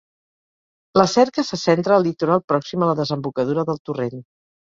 La cerca se centra al litoral pròxim a la desembocadura del torrent.